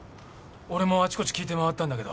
俺もあちこち聞いて回ったんだけど。